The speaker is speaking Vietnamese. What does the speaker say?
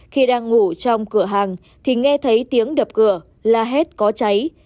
khi đang ngủ trong cửa hàng thì nghe thấy tiếng đập cửa la hét có cháy